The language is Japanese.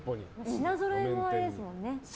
品ぞろえもあれですもんね。